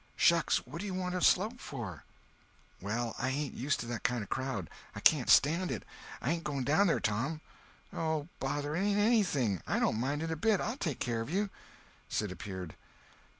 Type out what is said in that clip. "Shucks! what do you want to slope for?" "Well, I ain't used to that kind of a crowd. I can't stand it. I ain't going down there, Tom." "Oh, bother! It ain't anything. I don't mind it a bit. I'll take care of you." Sid appeared.